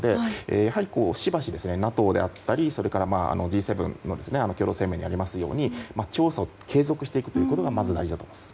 やはりＮＡＴＯであったりＧ７の共同声明にありますように調査を継続していくことがまず大事だと思います。